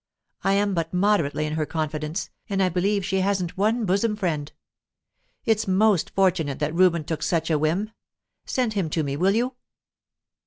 I am but moderately in her confidence, and I believe she hasn't one bosom friend. It's most fortunate that Reuben took such a whim. Send him to me, will you?"